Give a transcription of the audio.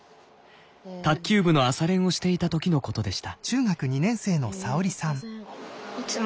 卓球部の朝練をしていた時のことでした。